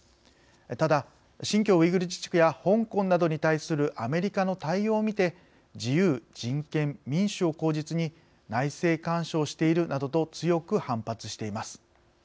ただ新疆ウイグル自治区や香港などに対するアメリカの対応をみて自由人権民主を口実に内政干渉しているなどと強く反発しています。